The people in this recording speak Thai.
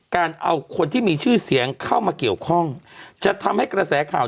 การเอาคนที่มีชื่อเสียงเข้ามาเกี่ยวข้องจะทำให้กระแสข่าว